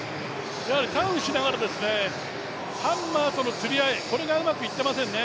やはりターンしながらハンマーとのつりあい、これがうまくいってませんね。